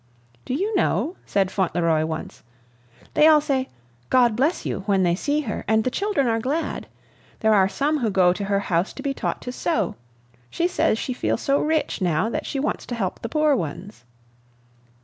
"Do you know," said Fauntleroy once, "they all say, 'God bless you!' when they see her, and the children are glad. There are some who go to her house to be taught to sew. She says she feels so rich now that she wants to help the poor ones."